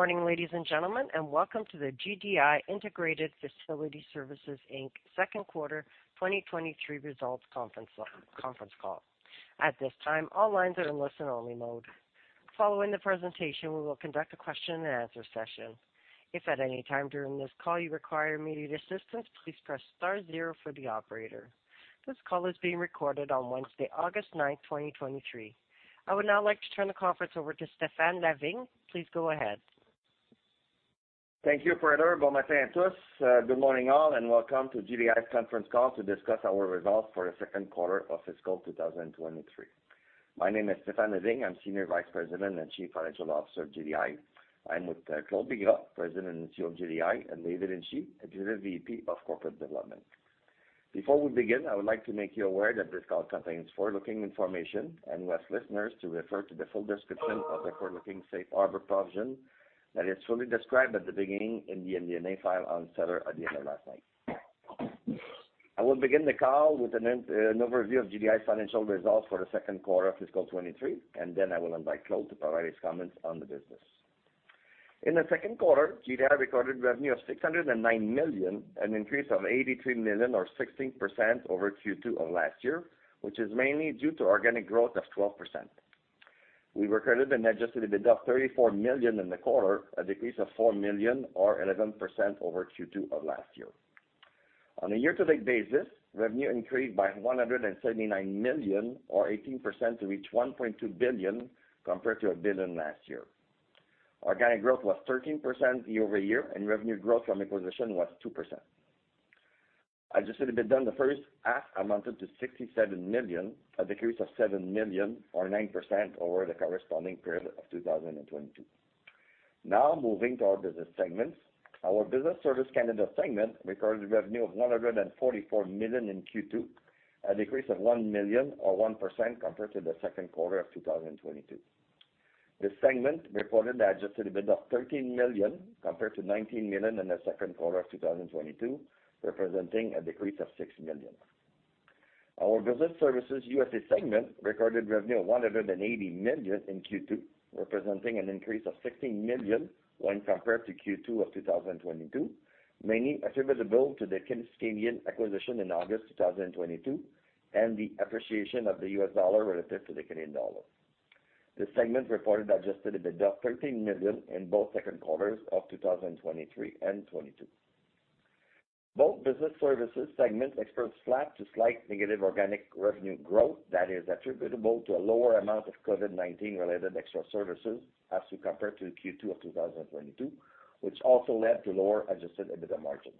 Good morning, ladies and gentlemen, and welcome to the GDI Integrated Facility Services Inc., Q2, 2023 results conference call. At this time, all lines are in listen-only mode. Following the presentation, we will conduct a question-and-answer session. If at any time during this call you require immediate assistance, please press star 0 for the operator. This call is being recorded on Wednesday, August 9, 2023. I would now like to turn the conference over to Stéphane Lavigne. Please go ahead. Thank you, operator. Bon matin à tous. Good morning, all, welcome to GDI's conference call to discuss our results for the Q2 of fiscal 2023. My name is Stéphane Lavigne. I'm Senior Vice President and Chief Financial Officer of GDI. I'm with Claude Bigras, President and CEO of GDI, and David Hinchey, Executive VP of Corporate Development. Before we begin, I would like to make you aware that this call contains forward-looking information. We ask listeners to refer to the full description of the forward-looking safe harbor provision that is fully described at the beginning in the MD&A file on SEDAR at the end of last night. I will begin the call with an overview of GDI's financial results for the Q2 of fiscal 2023. Then I will invite Claude to provide his comments on the business. In the Q2, GDI recorded revenue of $609 million, an increase of $83 million or 16% over Q2 of last year, which is mainly due to organic growth of 12%. We recorded an Adjusted EBITDA of $34 million in the quarter, a decrease of $4 million or 11% over Q2 of last year. On a year-to-date basis, revenue increased by $179 million or 18% to reach $1.2 billion, compared to $1 billion last year. Organic growth was 13% year-over-year, and revenue growth from acquisition was 2%. Adjusted EBITDA in the H1 amounted to $67 million, a decrease of $7 million or 9% over the corresponding period of 2022. Now, moving to our business segments. Our Business Services Canada segment recorded revenue of $144 million in Q2, a decrease of $1 million or 1% compared to the Q2 of 2022. This segment reported Adjusted EBITDA of $13 million compared to $19 million in the Q2 of 2022, representing a decrease of $6 million. Our Business Services USA segment recorded revenue of $180 million in Q2, representing an increase of $16 million when compared to Q2 of 2022, mainly attributable to the Kinsale acquisition in August 2022, and the appreciation of the U.S. dollar relative to the Canadian dollar. This segment reported Adjusted EBITDA of $13 million in both Q2s of 2023 and 2022. Both Business Services segments experienced flat to slight negative organic revenue growth that is attributable to a lower amount of COVID-19 related extra services as we compare to Q2 of 2022, which also led to lower Adjusted EBITDA margins.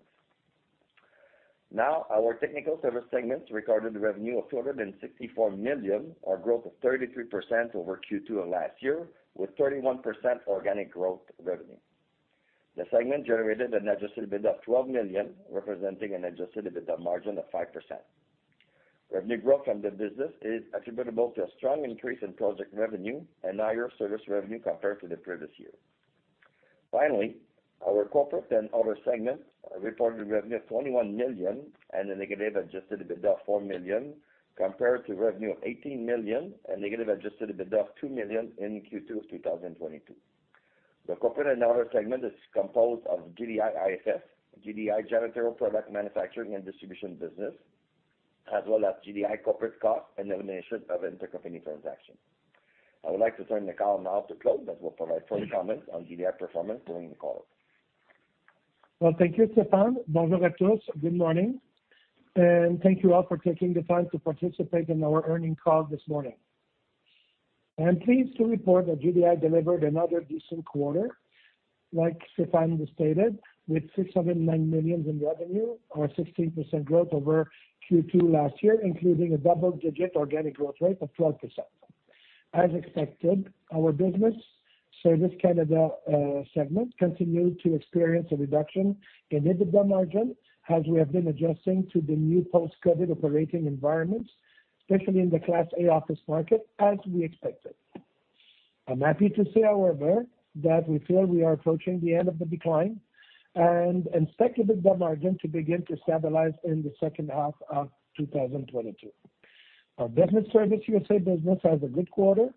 Our Technical Services segment recorded revenue of $264 million, or growth of 33% over Q2 of last year, with 31% organic growth revenue. The segment generated an Adjusted EBITDA of $12 million, representing an Adjusted EBITDA margin of 5%. Revenue growth from the business is attributable to a strong increase in project revenue and higher service revenue compared to the previous year. Finally, our Corporate and Other segment reported revenue of $21 million and a negative Adjusted EBITDA of $4 million, compared to revenue of $18 million and negative Adjusted EBITDA of $2 million in Q2 2022. The Corporate and Other segment is composed of GDI IFF, GDI janitorial products manufacturing and distribution business, as well as GDI corporate costs and the elimination of intercompany transactions. I would like to turn the call now to Claude, that will provide further comments on GDI performance during the call. Well, thank you, Stéphane. Bonjour à tous. Good morning, and thank you all for taking the time to participate in our earnings call this morning. I am pleased to report that GDI delivered another decent quarter, like Stéphane just stated, with $609 million in revenue or a 16% growth over Q2 last year, including a double-digit organic growth rate of 12%. As expected, our Business Services Canada segment continued to experience a reduction in EBITDA margin, as we have been adjusting to the new post-COVID operating environments, especially in the Class A office market, as we expected. I'm happy to say, however, that we feel we are approaching the end of the decline and expect EBITDA margin to begin to stabilize in the H2 of 2022. Our Business Services USA business has a good quarter,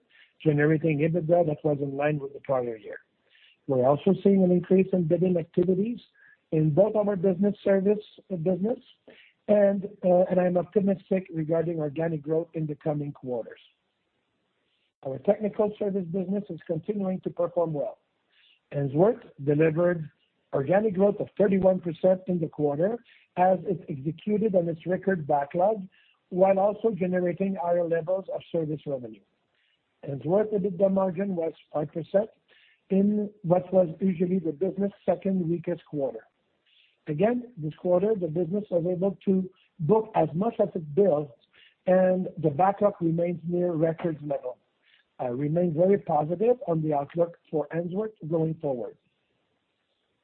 generating EBITDA that was in line with the prior year. We're also seeing an increase in bidding activities in both our Business Services business and I'm optimistic regarding organic growth in the coming quarters. Our Technical Services business is continuing to perform well. Ainsworth delivered organic growth of 31% in the quarter as it executed on its record backlog, while also generating higher levels of service revenue. Ainsworth EBITDA margin was 5% in what was usually the business' second weakest quarter. Again, this quarter, the business was able to book as much as it built, and the backlog remains near record level. I remain very positive on the outlook for Ainsworth going forward.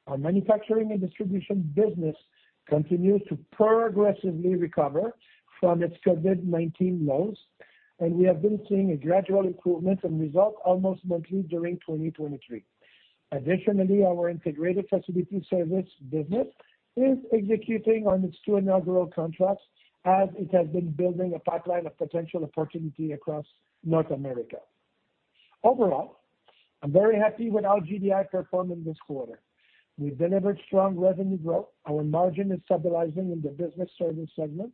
Our manufacturing and distribution business continues to progressively recover from its COVID-19 lows. We have been seeing a gradual improvement in results almost monthly during 2023. Additionally, our Integrated Facility Services business is executing on its two inaugural contracts, as it has been building a pipeline of potential opportunity across North America. Overall, I'm very happy with how GDI performed in this quarter. We've delivered strong revenue growth. Our margin is stabilizing in the Business Services segment.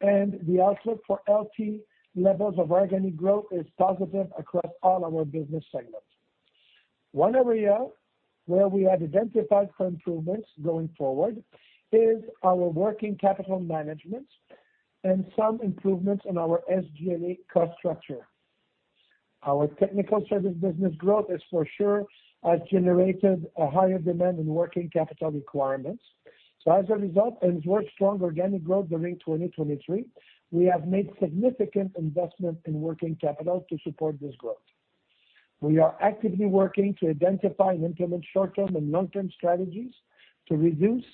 The outlook for LT levels of organic growth is positive across all our business segments. One area where we have identified for improvements going forward is our working capital management and some improvements in our SG&A cost structure. Our Technical Services business growth is for sure, has generated a higher demand in working capital requirements. As a result, with strong organic growth during 2023, we have made significant investment in working capital to support this growth. We are actively working to identify and implement short-term and long-term strategies to reduce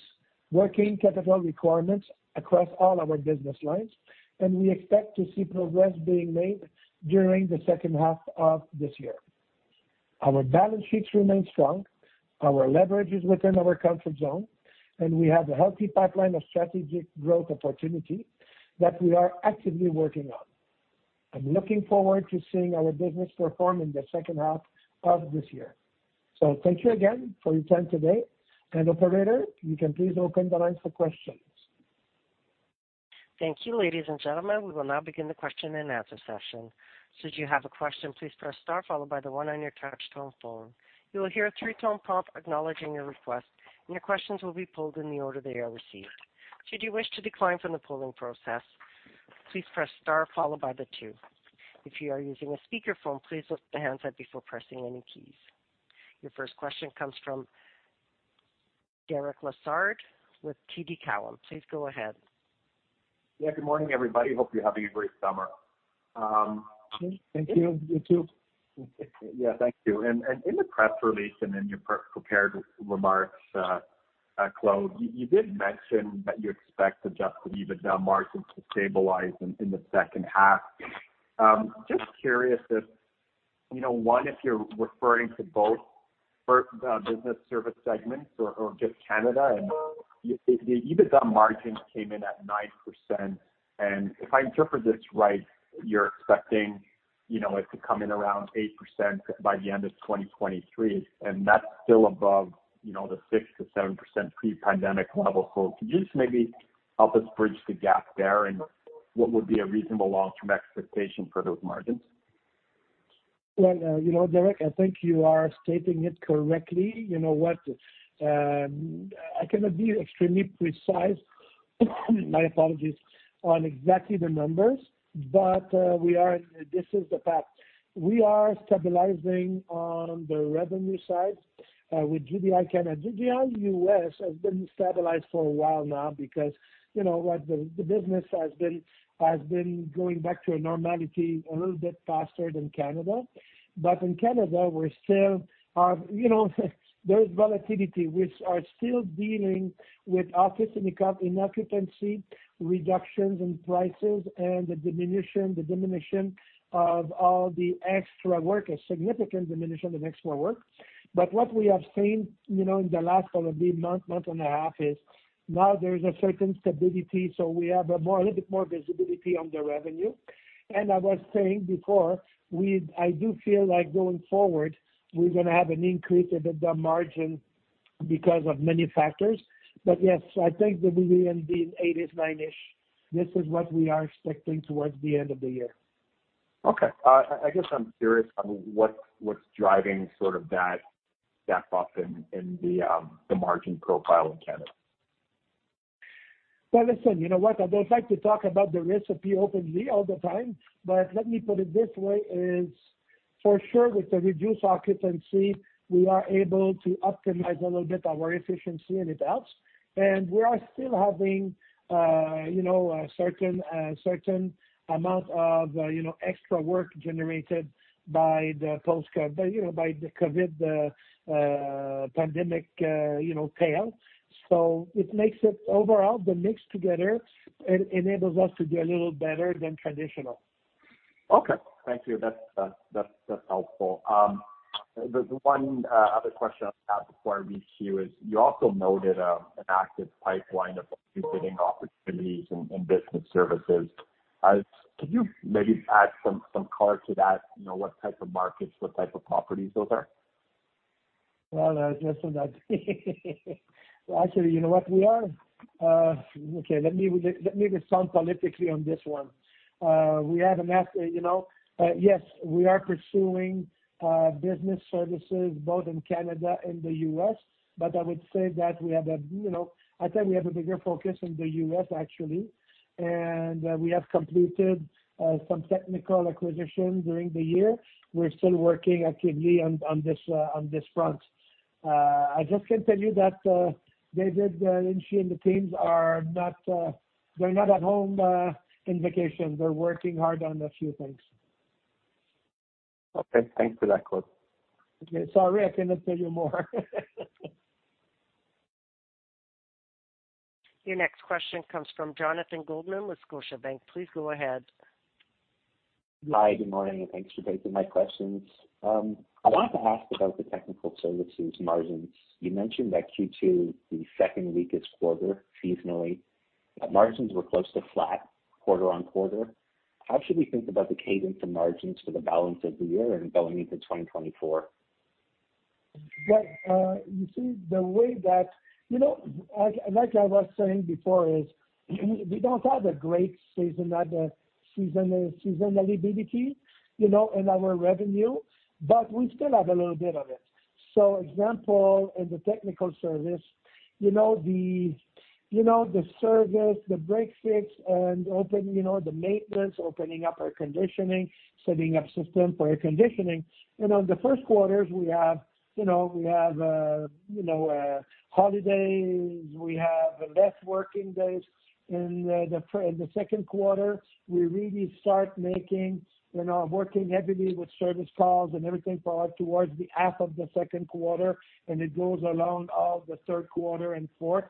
working capital requirements across all our business lines, we expect to see progress being made during the H2 of this year. Our balance sheets remain strong, our leverage is within our comfort zone, we have a healthy pipeline of strategic growth opportunity that we are actively working on. I'm looking forward to seeing our business perform in the H2 of this year. Thank you again for your time today, operator, you can please open the line for questions. Thank you, ladies and gentlemen. We will now begin the question and answer session. Should you have a question, please press star followed by the one on your touch tone phone. You will hear a three-tone prompt acknowledging your request, and your questions will be pulled in the order they are received. Should you wish to decline from the polling process, please press star followed by the two. If you are using a speakerphone, please lift the handset before pressing any keys. Your first question comes from Derek Lessard with TD Cowen. Please go ahead. Yeah, good morning, everybody. Hope you're having a great summer. Thank you. You too. Yeah, thank you. In the press release and in your pre-prepared remarks, Claude, you did mention that you expect the Adjusted EBITDA margins to stabilize in the H2. Just curious if, you know, one, if you're referring to both for Business Services segments or just Canada? The EBITDA margins came in at 9%, and if I interpret this right, you're expecting, you know, it to come in around 8% by the end of 2023, and that's still above, you know, the 6%-7% pre-pandemic level. Could you just maybe help us bridge the gap there, and what would be a reasonable long-term expectation for those margins? Well, you know, Derek, I think you are stating it correctly. You know what? I cannot be extremely precise, my apologies, on exactly the numbers, but we are. This is the fact: We are stabilizing on the revenue side with GDI Canada. GDI US has been stabilized for a while now because, you know what? The business has been going back to a normality a little bit faster than Canada. In Canada, we're still, you know, there is volatility. We are still dealing with office and income inoccupancy, reductions in prices, and the diminution, the diminution of all the extra work, a significant diminution of extra work. What we have seen, you know, in the last probably month, month and a half, is now there is a certain stability, so we have a more, a little bit more visibility on the revenue. I was saying before, I do feel like going forward, we're going to have an increase in the margin because of many factors. Yes, I think that we will be in the 80s, 90s. This is what we are expecting towards the end of the year. Okay. I, I guess I'm curious on what's, what's driving sort of that step up in, in the, the margin profile in Canada. Well, listen, you know what? I don't like to talk about the recipe openly all the time, but let me put it this way, is for sure with the reduced occupancy, we are able to optimize a little bit our efficiency and it helps. We are still having, you know, a certain, certain amount of, you know, extra work generated by the post-COVID, you know, by the COVID, pandemic, you know, tail. It makes it overall, the mix together, enables us to do a little better than traditional. Okay. Thank you. That's, that's, that's helpful. The one other question I have before I leave you is, you also noted an active pipeline of repeating opportunities in, in Business Services. Could you maybe add some, some color to that? You know, what type of markets, what type of properties those are? Well, listen, actually, you know what? We are... Okay, let me, let me be sound politically on this one. We have a mas- you know, yes, we are pursuing business services both in Canada and the US, but I would say that we have a, you know, I'd say we have a bigger focus in the US, actually. We have completed some technical acquisitions during the year. We're still working actively on, on this front. I just can tell you that David Hinchey and the teams are not, they're not at home, in vacation. They're working hard on a few things. Okay. Thanks for that, Claude. Okay. Sorry, I cannot tell you more. Your next question comes from Jonathan Goldman with Scotiabank. Please go ahead. Hi, good morning, thanks for taking my questions. I wanted to ask about the Technical Services margins. You mentioned that Q2, the second weakest quarter seasonally, margins were close to flat quarter on quarter. How should we think about the cadence and margins for the balance of the year and going into 2024? Well, you see, the way that, you know, like, like I was saying before, is we don't have a great seasonal, seasonal, seasonality, you know, in our revenue, but we still have a little bit of it. Example, in the Technical Services, you know the, you know, the service, the break fix and open, you know, the maintenance, opening up air conditioning, setting up system for air conditioning. You know, the Q1s we have, you know, we have, you know, holidays, we have less working days. In the, the Q2, we really start making, you know, working heavily with service calls and everything toward, towards the half of the Q2, and it goes along all the Q3 and fourth.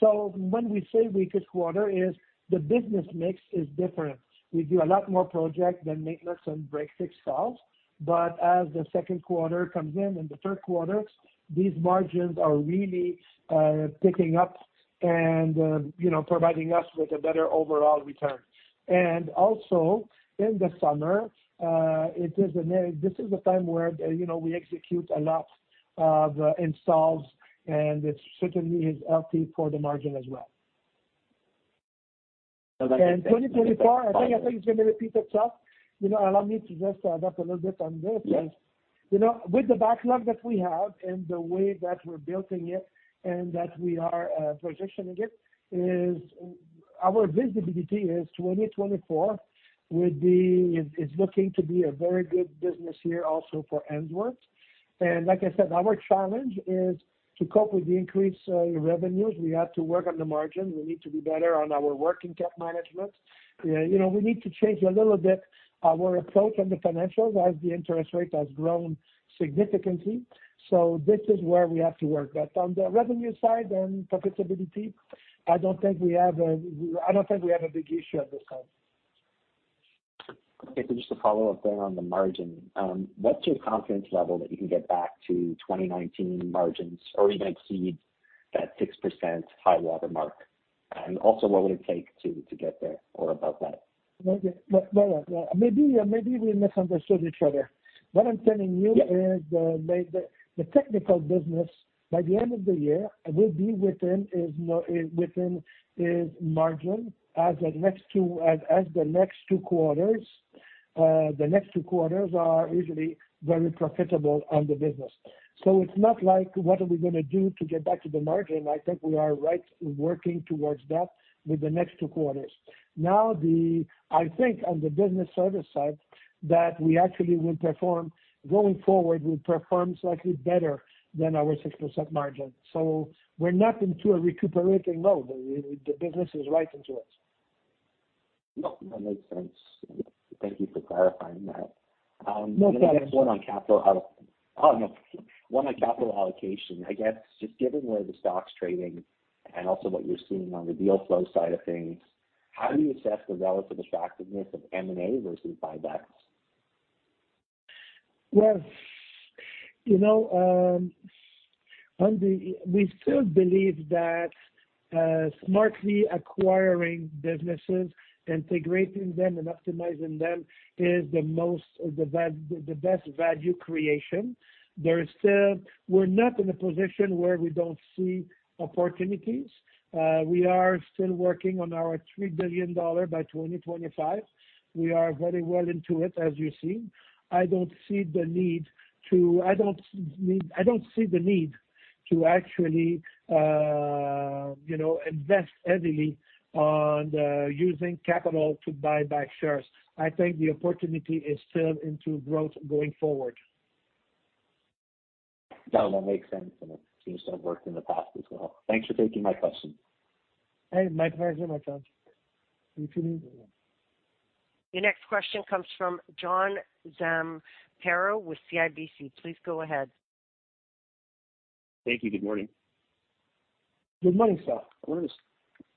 When we say weakest quarter, is the business mix is different. We do a lot more project than maintenance and break fix calls. As the Q2 comes in and the Q3, these margins are really picking up and, you know, providing us with a better overall return. Also, in the summer, it is a time where, you know, we execute a lot of installs, and it certainly is healthy for the margin as well. So that- 2024, I think, I think it's going to repeat itself. You know, allow me to just add up a little bit on this. Yes. You know, with the backlog that we have and the way that we're building it and that we are positioning it, is our visibility is 2024 will be... is, is looking to be a very good business year also for Energère. Like I said, our challenge is to cope with the increased revenues. We have to work on the margins. We need to be better on our working capital management. You know, we need to change a little bit our approach on the financials as the interest rate has grown significantly. This is where we have to work. On the revenue side and profitability, I don't think we have a, I don't think we have a big issue at this time. Okay. Just to follow up there on the margin, what's your confidence level that you can get back to 2019 margins or even exceed that 6% high water mark? Also, what would it take to get there or above that? Well, yeah. Well, well, maybe, maybe we misunderstood each other. What I'm telling you- Yeah is the technical business by the end of the year will be within its margin as the next two quarters, the next two quarters are usually very profitable on the business. It's not like, what are we gonna do to get back to the margin? I think we are right working towards that with the next two quarters. Now, I think on the Business Services side, that we actually will perform, going forward, we perform slightly better than our 6% margin. We're not into a recuperating mode. The business is right into it. No, that makes sense. Thank you for clarifying that. No problem. Next one on capital. Oh, no, one on capital allocation. I guess just given where the stock's trading and also what you're seeing on the deal flow side of things, how do you assess the relative attractiveness of M&A versus buybacks? Well, you know, on the, we still believe that, smartly acquiring businesses, integrating them and optimizing them is the most, the best value creation. There is still, we're not in a position where we don't see opportunities. We are still working on our $3 billion by 2025. We are very well into it, as you see. I don't see the need to actually, you know, invest heavily on using capital to buy back shares. I think the opportunity is still into growth going forward. That one makes sense, and it seems to have worked in the past as well. Thanks for taking my question. Hey, my pleasure, my friend. Thank you. Your next question comes from John Zamparo with CIBC. Please go ahead. Thank you. Good morning. Good morning, sir.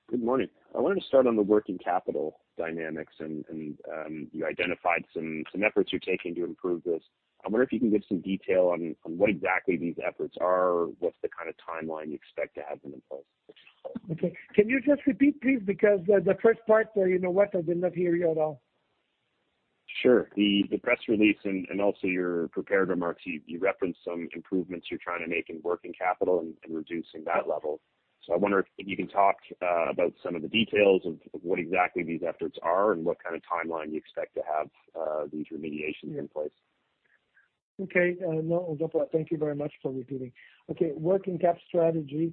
Good morning. I wanted to start on the working capital dynamics and you identified some efforts you're taking to improve this. I wonder if you can give some detail on what exactly these efforts are? What's the kind of timeline you expect to have them in place? Okay. Can you just repeat, please? Because the, the first part, you know what? I did not hear you at all. Sure. The, the press release and, and also your prepared remarks, you, you referenced some improvements you're trying to make in working capital and, and reducing that level. I wonder if you can talk about some of the details of, of what exactly these efforts are and what kind of timeline you expect to have these remediations in place. Okay. No, thank you very much for repeating. Okay, working capital strategy.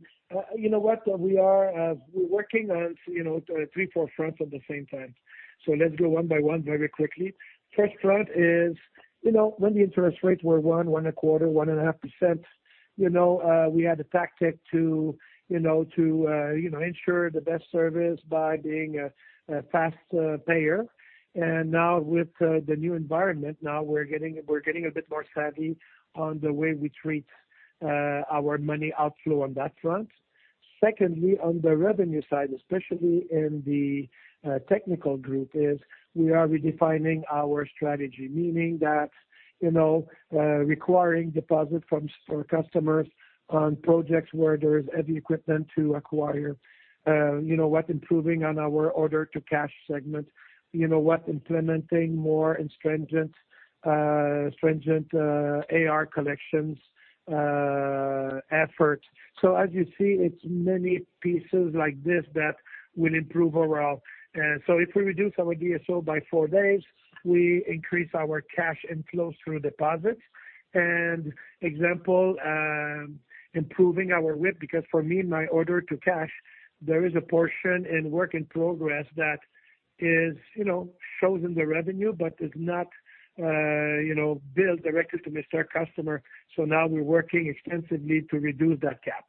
You know what? We are, we're working on, you know, 3, 4 fronts at the same time. Let's go 1 by 1 very quickly. First front is, you know, when the interest rates were 1, 1.25, 1.5%, you know, we had a tactic to, you know, to, you know, ensure the best service by being a, a fast, payer. Now with the new environment, now we're getting, we're getting a bit more savvy on the way we treat our money outflow on that front. Secondly, on the revenue side, especially in the Technical Services group, is we are redefining our strategy, meaning that, you know, requiring deposit from our customers on projects where there is heavy equipment to acquire. You know what? Improving on our order-to-cash segment. You know what? Implementing more and stringent, stringent AR collections effort. As you see, it's many pieces like this that will improve overall. If we reduce our DSO by 4 days, we increase our cash inflows through deposits. Example, improving our WIP, because for me, my order to cash, there is a portion in work in progress that is, you know, shows in the revenue but is not, you know, billed directly to our customer. Now we're working extensively to reduce that gap.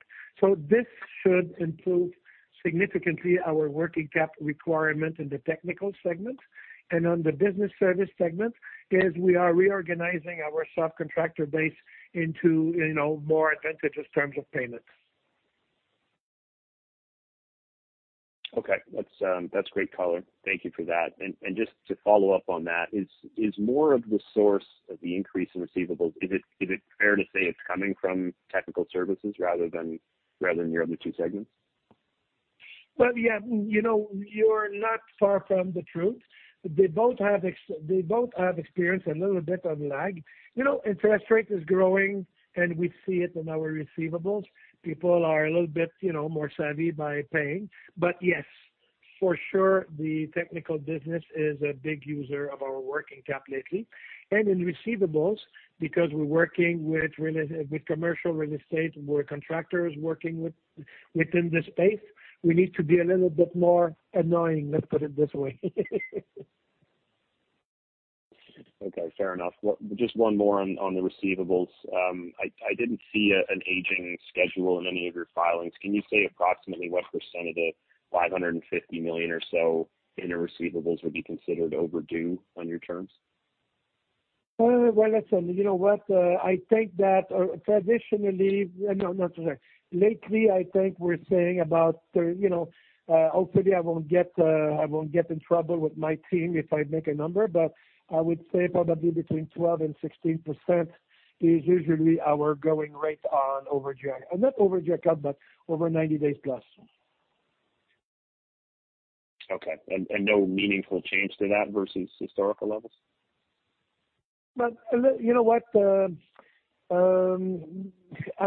This should improve significantly our working capital requirement in the Technical Services segment. On the Business Services segment, is we are reorganizing our subcontractor base into, you know, more advantageous terms of payments. Okay. That's, that's great color. Thank you for that. Just to follow up on that, is, is more of the source of the increase in receivables, is it, is it fair to say it's coming from Technical Services rather than, rather than your other two segments? Well, yeah, you know, you're not far from the truth. They both have experienced a little bit of lag. You know, interest rate is growing, and we see it in our receivables. People are a little bit, you know, more savvy by paying. Yes, for sure, the Technical Services business is a big user of our working capital lately. In receivables, because we're working with commercial real estate, where contractors working within the space, we need to be a little bit more annoying, let's put it this way. Okay, fair enough. Well, just 1 more on, on the receivables. I, I didn't see a, an aging schedule in any of your filings. Can you say approximately what % of the $550 million or so in receivables would be considered overdue on your terms? Well, listen, you know what? I think that traditionally, no, not today. Lately, I think we're saying about, you know, hopefully I won't get, I won't get in trouble with my team if I make a number, but I would say probably between 12% and 16% is usually our going rate on overage, and not overage, but over 90 days plus. Okay. No meaningful change to that versus historical levels? Well, you know what,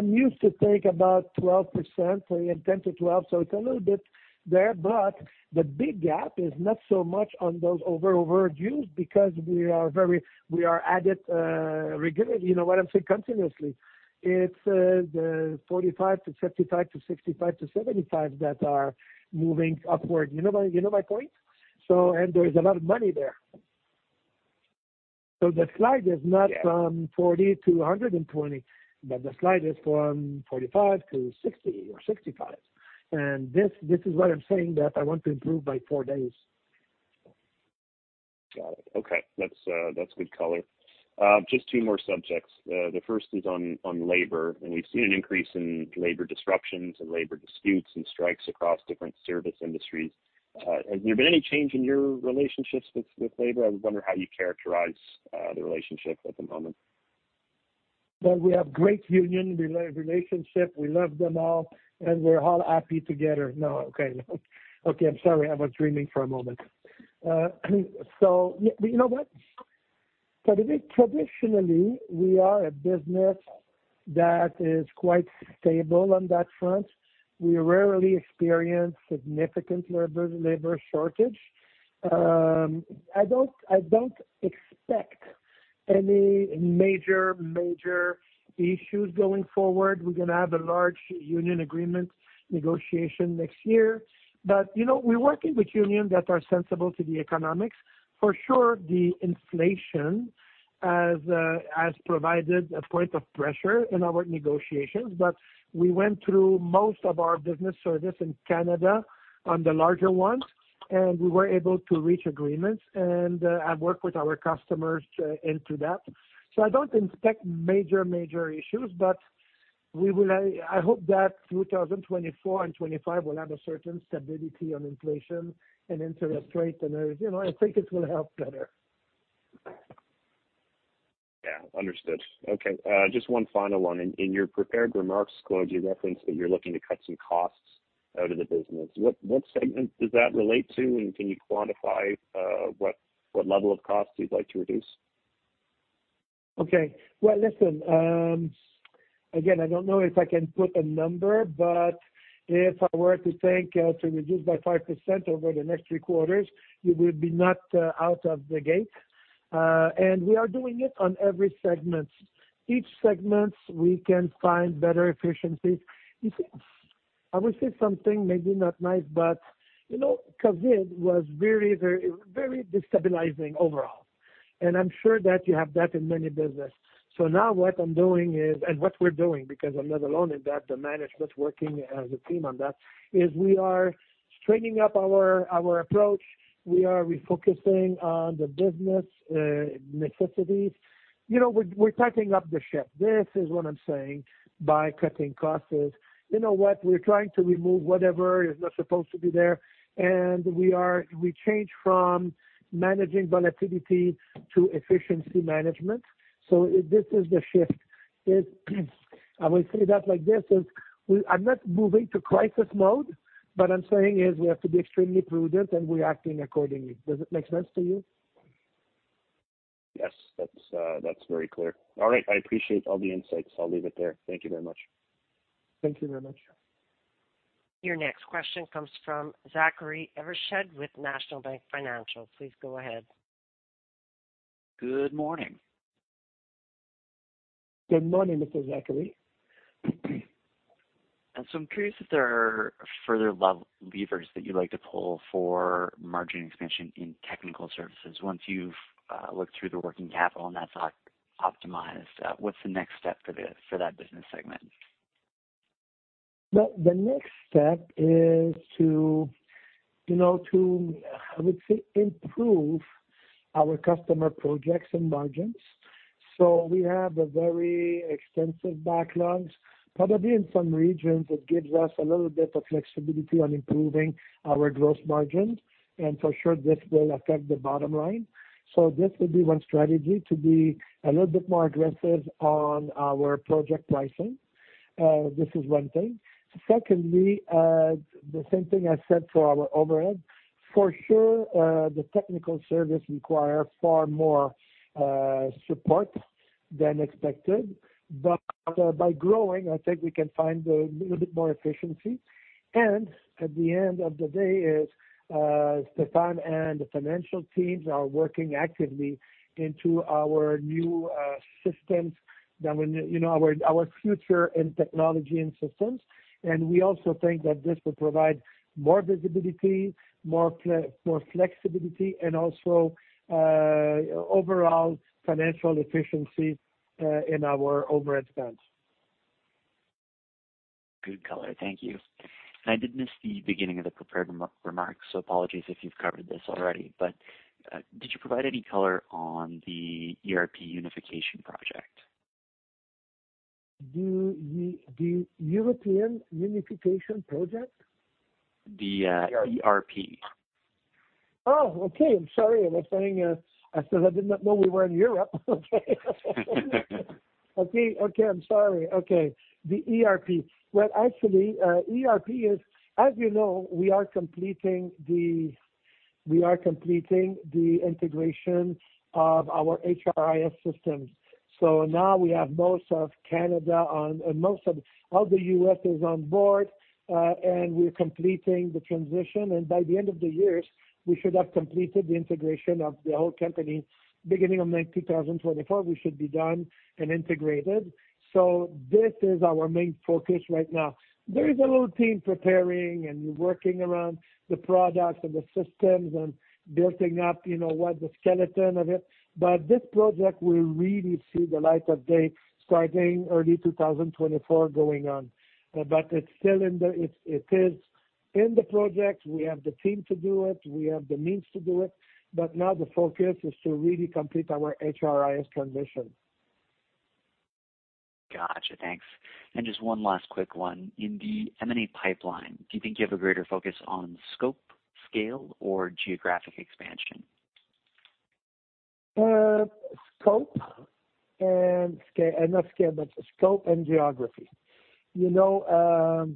I'm used to take about 12%, 10-12, so it's a little bit there, but the big gap is not so much on those over overages, because we are very we are added, regularly. You know what I'm saying? Continuously. It's the 45-55-65-75 that are moving upward. You know my, you know my point? And there is a lot of money there. The slide is not from 40-120, but the slide is from 45-60 or 65. This is what I'm saying, that I want to improve by four days. Got it. Okay. That's, that's good color. Just two more subjects. The first is on, on labor. We've seen an increase in labor disruptions and labor disputes and strikes across different service industries. Has there been any change in your relationships with, with labor? I was wondering how you characterize the relationship at the moment. Well, we have great union relationship. We love them all, and we're all happy together. No. Okay. Okay, I'm sorry. I was dreaming for a moment. You know what? Traditionally, we are a business that is quite stable on that front. We rarely experience significant labor, labor shortage. I don't, I don't expect any major, major issues going forward. We're gonna have a large union agreement negotiation next year. You know, we're working with unions that are sensible to the economics. For sure, the inflation has provided a point of pressure in our negotiations, but we went through most of our business service in Canada on the larger ones, and we were able to reach agreements and work with our customers into that. I don't expect major, major issues, but we will... I, I hope that 2024 and 2025 will have a certain stability on inflation and interest rates, and, you know, I think it will help better. Yeah, understood. Okay, just one final one. In, in your prepared remarks, Claude, you referenced that you're looking to cut some costs out of the business. What, what segment does that relate to? Can you quantify what, what level of costs you'd like to reduce? Okay. Well, listen, again, I don't know if I can put a number, but if I were to think to reduce by 5% over the next 3 quarters, it would be not out of the gate. We are doing it on every segment. Each segment, we can find better efficiencies. You see, I would say something maybe not nice, but you know, COVID was very, very, very destabilizing overall, and I'm sure that you have that in many business. Now what I'm doing is, and what we're doing, because I'm not alone in that, the management working as a team on that, is we are straightening up our, our approach. We are refocusing on the business necessities. You know, we're, we're tightening up the ship. This is what I'm saying by cutting costs is, you know what? We're trying to remove whatever is not supposed to be there, and we are we change from managing volatility to efficiency management. This is the shift. It, I will say that like this, is, we I'm not moving to crisis mode, but I'm saying is we have to be extremely prudent, and we're acting accordingly. Does it make sense to you? Yes, that's, that's very clear. All right. I appreciate all the insights. I'll leave it there. Thank you very much. Thank you very much. Your next question comes from Zachary Evershed, with National Bank Financial. Please go ahead. Good morning. Good morning, Mr. Zachary. I'm curious if there are further levers that you'd like to pull for margin expansion in Technical Services. Once you've looked through the working capital and that's optimized, what's the next step for the, for that business segment? Well, the next step is to, you know, to, I would say, improve our customer projects and margins. We have a very extensive backlogs. Probably in some regions, it gives us a little bit of flexibility on improving our gross margins, and for sure, this will affect the bottom line. This will be one strategy to be a little bit more aggressive on our project pricing. This is one thing. Secondly, the same thing I said for our overhead, for sure, the Technical Services require far more support than expected. By growing, I think we can find a little bit more efficiency. At the end of the day is, Stéphane and the financial teams are working actively into our new systems, that when, you know, our, our future in technology and systems. We also think that this will provide more visibility, more flexibility, and also overall financial efficiency in our overhead spends. Good color. Thank you. I did miss the beginning of the prepared remarks, so apologies if you've covered this already, but did you provide any color on the ERP unification project? The ERP unification project? The ERP. Oh, okay. I'm sorry, I was saying, I said I did not know we were in Europe. Okay. Okay, okay, I'm sorry. Okay, the ERP. Well, actually, ERP is, as you know, we are completing the integration of our HRIS systems. Now we have most of Canada on, and all the US is on board, and we're completing the transition. By the end of the years, we should have completed the integration of the whole company. Beginning of May 2024, we should be done and integrated. This is our main focus right now. There is a little team preparing and working around the products and the systems and building up, you know, what, the skeleton of it. This project will really see the light of day starting early 2024 going on. It's still in the... It is in the project. We have the team to do it, we have the means to do it. Now the focus is to really complete our HRIS transition. Gotcha. Thanks. Just one last quick one. In the M&A pipeline, do you think you have a greater focus on scope, scale, or geographic expansion? Scope and scale- not scale, but scope and geography. You know,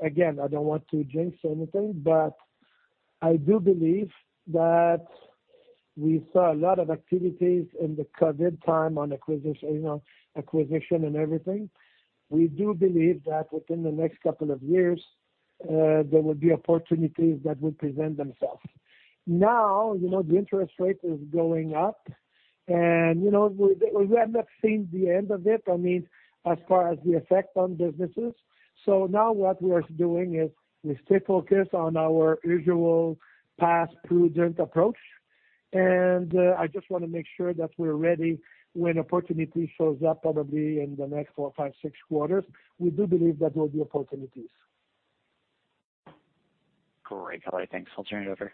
again, I don't want to jinx anything, but I do believe that we saw a lot of activities in the COVID time on acquisition, you know, acquisition and everything. We do believe that within the next couple of years, there will be opportunities that will present themselves. Now, you know, the interest rate is going up, and, you know, we, we have not seen the end of it, I mean, as far as the effect on businesses. Now what we are doing is we stay focused on our usual path, prudent approach, and I just wanna make sure that we're ready when opportunity shows up, probably in the next four, five, six quarters. We do believe that there will be opportunities. Great. Hello. Thanks. I'll turn it over.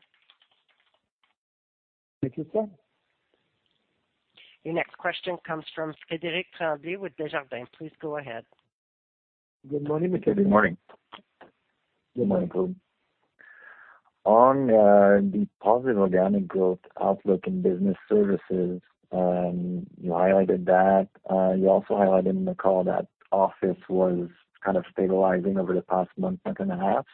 Thank you, sir. Your next question comes from Frederic Tremblay, with Desjardins. Please go ahead. Good morning, Frederic. Good morning. Good morning, everyone. On the positive organic growth outlook in Business Services, you highlighted that you also highlighted in the call that office was kind of stabilizing over the past month, month and a half.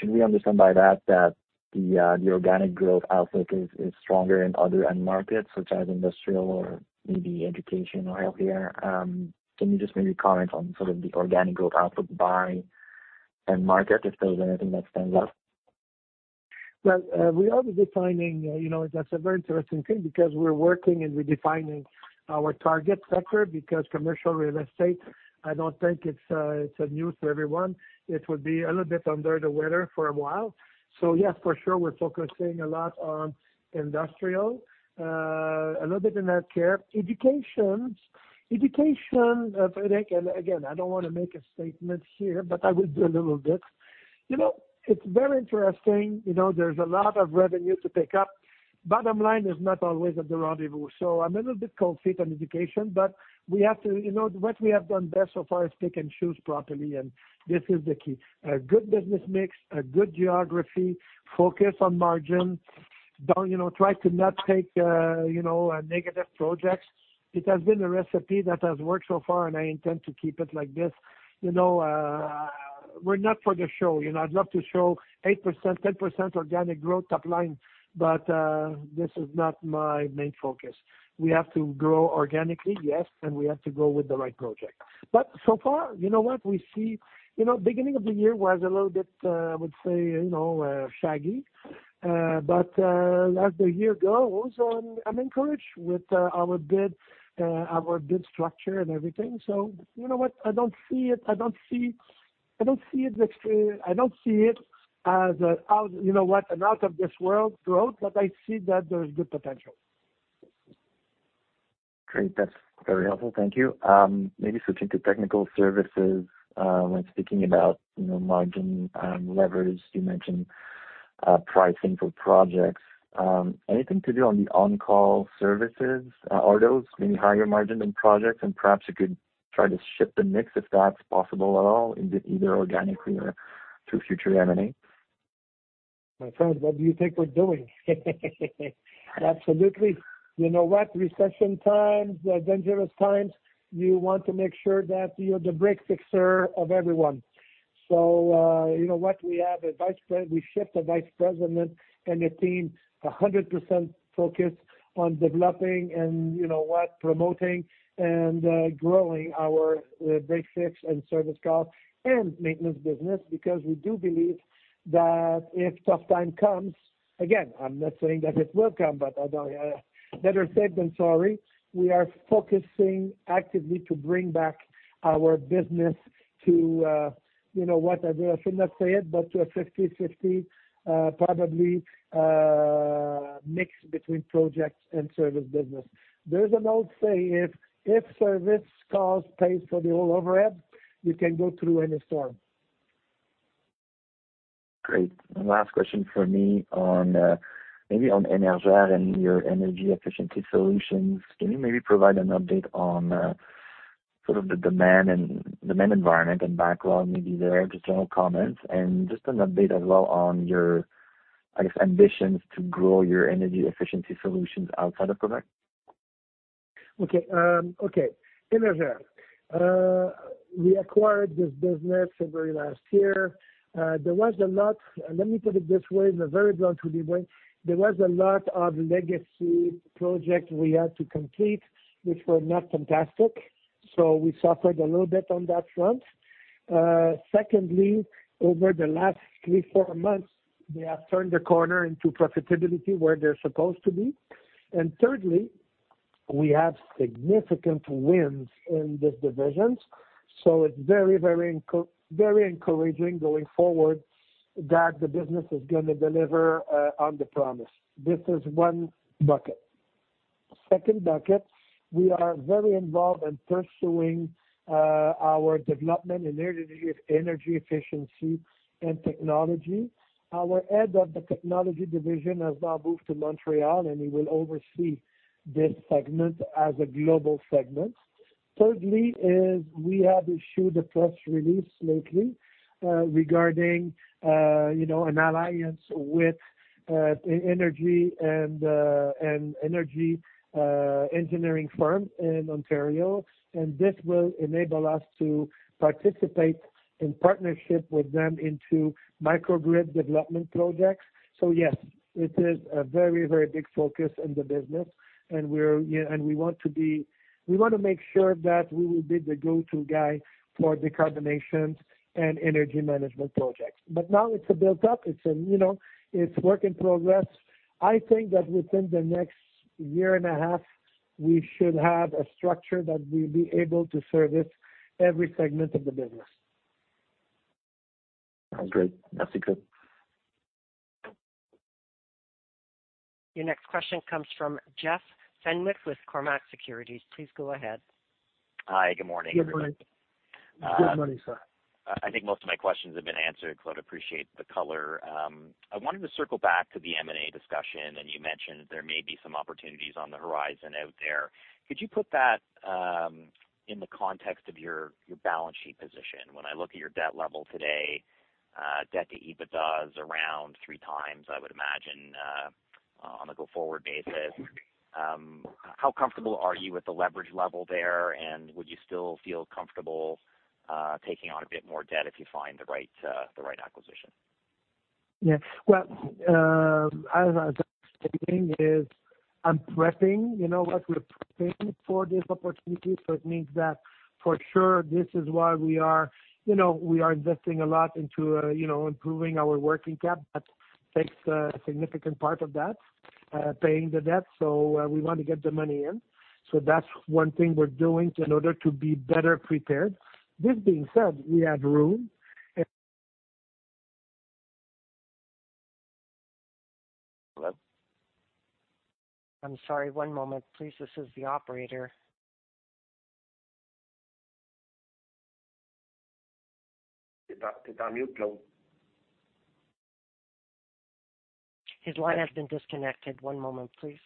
Should we understand by that, that the organic growth outlook is stronger in other end markets, such as industrial or maybe education or healthcare? Can you just maybe comment on sort of the organic growth outlook by end market, if there's anything that stands out? Well, we are redefining, you know, that's a very interesting thing, because we're working and redefining our target sector, because commercial real estate, I don't think it's, it's a news to everyone, it would be a little bit under the weather for a while. Yes, for sure, we're focusing a lot on industrial, a little bit in healthcare. Education, education, Frederick, again, I don't wanna make a statement here, but I will do a little bit. You know, it's very interesting, you know, there's a lot of revenue to pick up. Bottom line is not always at the rendezvous, so I'm a little bit conflict on education. You know, what we have done best so far is pick and choose properly, and this is the key. A good business mix, a good geography, focus on margin, don't, you know, try to not take, you know, negative projects. It has been a recipe that has worked so far. I intend to keep it like this. You know, we're not for the show. You know, I'd love to show 8%, 10% organic growth top line, but this is not my main focus. We have to grow organically, yes. We have to grow with the right project. So far, you know what? You know, beginning of the year was a little bit, I would say, you know, shaggy. As the year goes on, I'm encouraged with our good, our good structure and everything. You know what? I don't see it, I don't see, I don't see it extremely-- I don't see it as a out, you know what, an out of this world growth. I see that there's good potential. Great, that's very helpful, thank you. Maybe switching to Technical Services, when speaking about, you know, margin and leverage, you mentioned pricing for projects. Anything to do on the on-call services? Are those maybe higher margin than projects? Perhaps you could try to shift the mix, if that's possible at all, in either organically or through future M&A. My friend, what do you think we're doing? Absolutely. You know what? Recession times, are dangerous times, you want to make sure that you're the break fixer of everyone. You know what? We have a vice president, we shift a vice president and a team, 100% focused on developing and, you know what, promoting and, growing our, break, fix, and service call, and maintenance business, because we do believe that if tough time comes, again, I'm not saying that it will come, but, better safe than sorry. We are focusing actively to bring back our business to, you know what? I should not say it, but to a 50/50, probably, mix between projects and service business. There's an old saying, if, if service calls pays for the whole overhead, you can go through any storm. Great. One last question for me on, maybe on Energère and your energy efficiency solutions. Can you maybe provide an update on, sort of the demand and demand environment and backlog, maybe there, just general comments, and just an update as well on your, I guess, ambitions to grow your energy efficiency solutions outside of product? Okay. Okay, Energère. We acquired this business February last year. There was a lot. Let me put it this way, in a very blunt, really way, there was a lot of legacy project we had to complete, which were not fantastic, so we suffered a little bit on that front. Secondly, over the last three, four months, they have turned the corner into profitability where they're supposed to be. Thirdly, we have significant wins in these divisions, so it's very, very encouraging going forward, that the business is going to deliver on the promise. This is one bucket. Second bucket, we are very involved in pursuing our development in energy, energy efficiency and technology. Our head of the technology division has now moved to Montreal, and he will oversee this segment as a global segment. Thirdly is, we have issued a press release lately, regarding, you know, an alliance with energy and an energy engineering firm in Ontario. This will enable us to participate in partnership with them into microgrid development projects. Yes, it is a very, very big focus in the business, and we're, and we want to be- we want to make sure that we will be the go-to guy for decarbonization and energy management projects. Now it's a built up, it's a, you know, it's work in progress. I think that within the next year and a half, we should have a structure that we'll be able to service every segment of the business. Great. That's good. Your next question comes from Jeff Fenwick, with Cormark Securities. Please go ahead. Hi, good morning. Good morning. Good morning, sir. I think most of my questions have been answered, but I'd appreciate the color. I wanted to circle back to the M&A discussion. You mentioned there may be some opportunities on the horizon out there. Could you put that in the context of your, your balance sheet position? When I look at your debt level today, debt to EBITDA is around 3 times, I would imagine, on a go-forward basis. How comfortable are you with the leverage level there, and would you still feel comfortable taking on a bit more debt if you find the right, the right acquisition? Yeah. Well, as I was stating, I'm prepping, you know what? We're prepping for this opportunity, so it means that for sure, this is why we are, you know, we are investing a lot into, you know, improving our working cap. That takes a significant part of that, paying the debt. We want to get the money in. That's one thing we're doing in order to be better prepared. This being said, we have room. I'm sorry, one moment, please. This is the operator. Did I mute you? His line has been disconnected. One moment, please.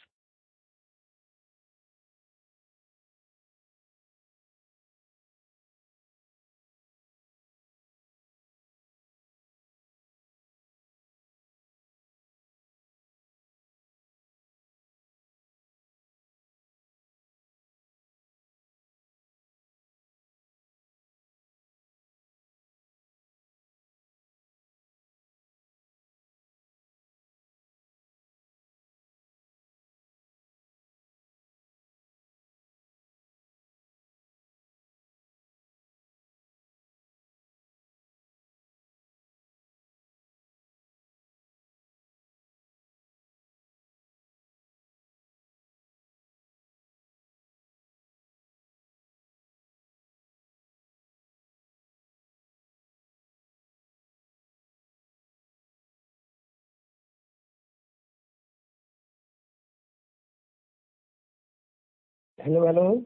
Hello, hello.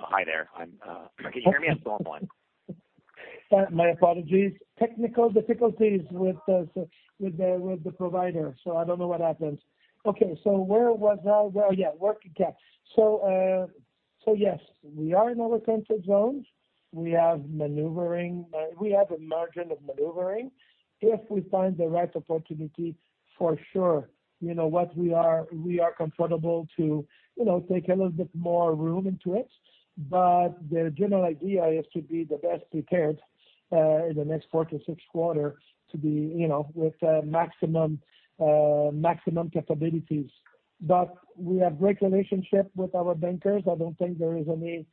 Hi there. I'm, can you hear me? I'm still on one. My apologies. Technical difficulties with the provider, I don't know what happens. Okay, where was I? Well, yeah, working cap. Yes, we are in our comfort zones. We have maneuvering. We have a margin of maneuvering. If we find the right opportunity for sure, you know what, we are comfortable to, you know, take a little bit more room into it. The general idea is to be the best prepared in the next four to six quarter to be, you know, with maximum capabilities. We have great relationship with our bankers. I don't think there is any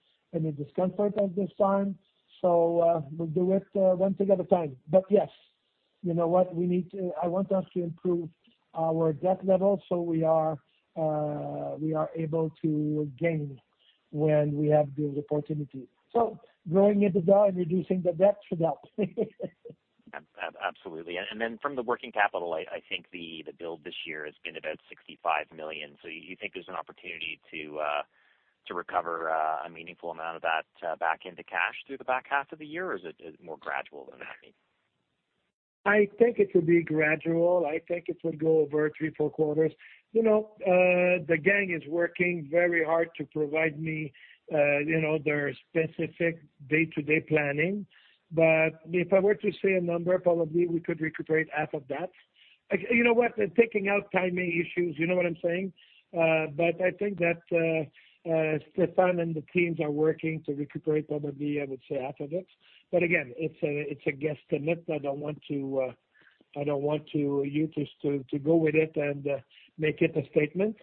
discomfort at this time. We'll do it one thing at a time. Yes, you know what? I want us to improve our debt level so we are, we are able to gain when we have good opportunity. Growing it down and reducing the debt for that. Absolutely. Then from the working capital, I think the build this year has been about $65 million. You think there's an opportunity to recover a meaningful amount of that back into cash through the back half of the year, or is it more gradual than that? I think it will be gradual. I think it will go over three, four quarters. You know, the gang is working very hard to provide me, you know, their specific day-to-day planning. If I were to say a number, probably we could recuperate half of that. You know what? Taking out timing issues, you know what I'm saying? I think that Stéphane and the teams are working to recuperate, probably, I would say, half of it. Again, it's a, it's a guesstimate. I don't want to, I don't want to you to, to, to go with it and make it a statement.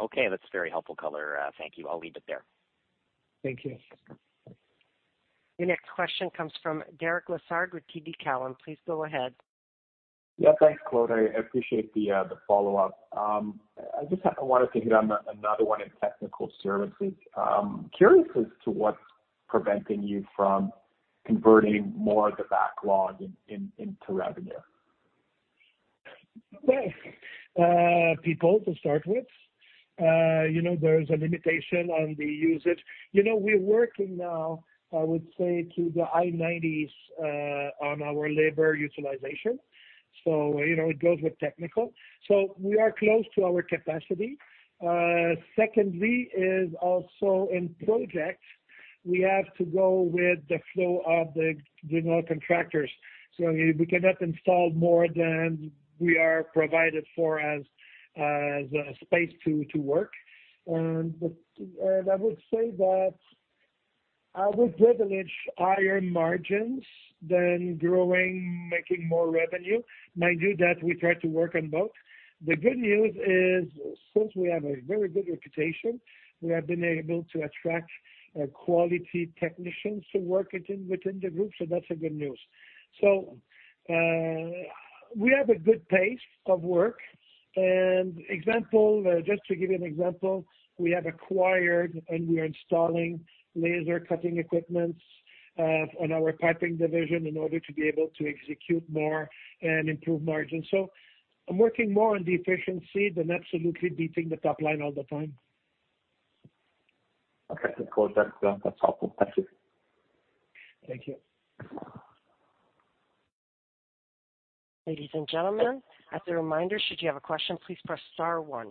Okay, that's very helpful, Claude. Thank you. I'll leave it there. Thank you. Your next question comes from Derek Lessard with TD Cowen. Please go ahead. Yeah. Thanks, Claude. I appreciate the, the follow-up. I just, I wanted to hit on another one in Technical Services. Curious as to what's preventing you from converting more of the backlog in, in, into revenue? Well, people, to start with. You know, there's a limitation on the usage. You know, we're working now, I would say, to the high 90s, on our labor utilization. You know, it goes with technical. We are close to our capacity. Secondly, is also in projects, we have to go with the flow of the general contractors. We cannot install more than we are provided for as a space to work. I would say that I would privilege higher margins than growing, making more revenue. Mind you, that we try to work on both. The good news is, since we have a very good reputation, we have been able to attract quality technicians to work within, within the group. That's a good news. We have a good pace of work. Example, just to give you an example, we have acquired and we are installing laser cutting equipments on our piping division in order to be able to execute more and improve margin. I'm working more on the efficiency than absolutely beating the top line all the time. Okay, Claude, that's, that's helpful. Thank you. Thank you. Ladies and gentlemen, as a reminder, should you have a question, please press star one.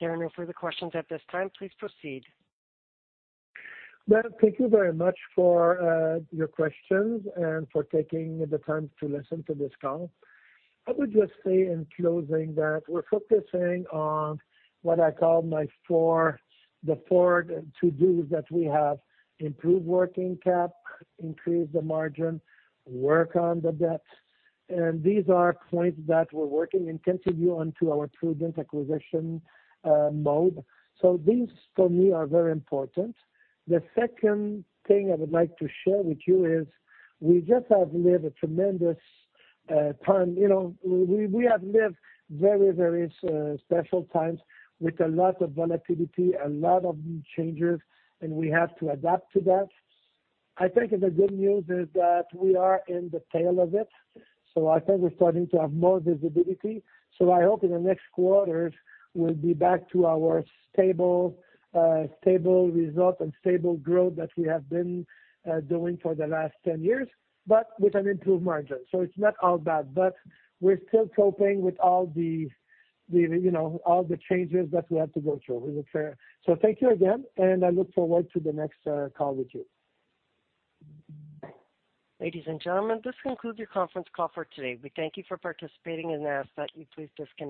There are no further questions at this time. Please proceed. Well, thank you very much for your questions and for taking the time to listen to this call. I would just say in closing that we're focusing on what I call my four, the four to-dos that we have: improve working cap, increase the margin, work on the debt, and these are points that we're working and continue on to our prudent acquisition mode. So these for me are very important. The second thing I would like to share with you is, we just have lived a tremendous time. You know, we, we have lived very, very special times with a lot of volatility, a lot of new changes, and we have to adapt to that. I think the good news is that we are in the tail of it, so I think we're starting to have more visibility. I hope in the next quarters, we'll be back to our stable, stable result and stable growth that we have been doing for the last 10 years, but with an improved margin. It's not all bad, but we're still coping with all the, the, you know, all the changes that we have to go through. Thank you again, and I look forward to the next call with you. Ladies and gentlemen, this concludes your conference call for today. We thank you for participating and ask that you please disconnect.